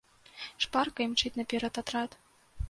Шпарка імчыць наперад атрад.